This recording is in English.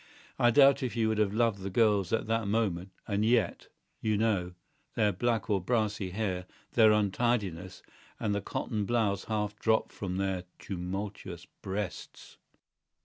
I doubt if you would have loved the girls at that moment; and yet ... you know ... their black or brassy hair, their untidiness, and the cotton blouses half dropped from their tumultuous breasts....